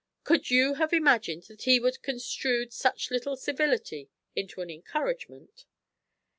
Could I have imagined he would have construed such little civility into an encouragement?"